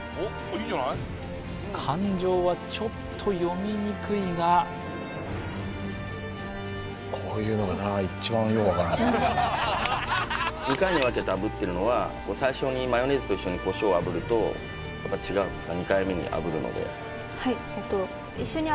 感情はちょっと読みにくいが２回に分けて炙ってるのは最初にマヨネーズと一緒に胡椒を炙るとやっぱり違うんですか？